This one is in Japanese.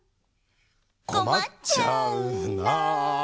「こまっちゃうな」